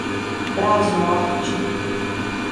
Brasnorte